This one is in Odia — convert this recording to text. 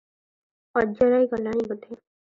ଅଜରାଇ ଗଲାଣି ବୋଧେ ।